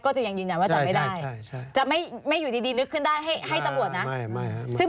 ขอย่าลืมไม่ลืม